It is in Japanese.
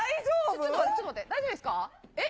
ちょっと待って、大丈夫ですか。